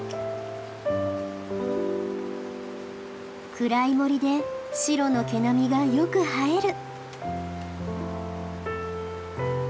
暗い森でシロの毛並みがよく映える！